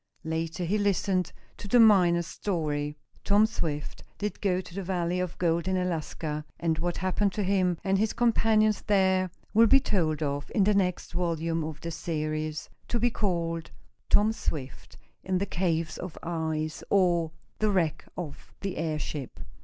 Later he listened to the miner's story. Tom Swift did go to the valley of gold in Alaska, and what happened to him and his companions there will be told of in the next volume of this series, to be called "Tom Swift in the Caves of Ice; or, the Wreck of the Airship."